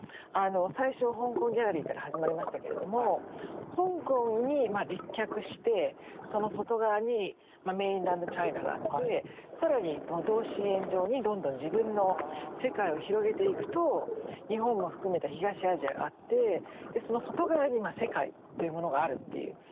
最初香港ギャラリーから始まりましたけれども香港にまあ立脚してその外側にメインランドチャイナがあって更に同心円状にどんどん自分の世界を広げていくと日本も含めた東アジアがあってその外側にまあ世界というものがあるっていう。